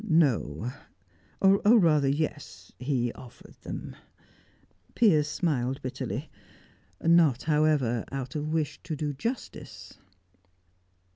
"No or rather yes, he offered them," Piers smiled bitterly. "Not however, out of wish to do justice."